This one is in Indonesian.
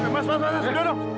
mas mas mas duduk dong